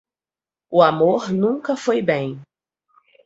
O amor nunca foi bem.